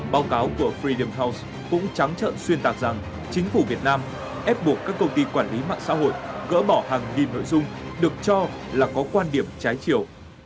báo cáo của fredem house cũng trắng trợn xuyên tạc rằng chính phủ việt nam ép buộc các công ty quản lý mạng xã hội gỡ bỏ hàng nghìn nội dung được cho là có quan điểm trái chiều